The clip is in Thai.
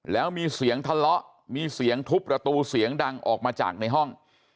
แล้วมีเสียงทะเลาะมีเสียงทุบประตูเสียงดังออกมาจากในห้อง